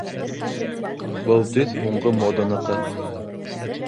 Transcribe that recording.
Был төҫ һуңғы моданыҡы